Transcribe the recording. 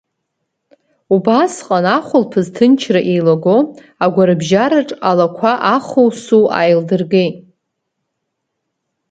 Убасҟан, ахәылԥаз ҭынчра еилаго, агәарабжьараҿ алақәа аху-су ааилдыргеит.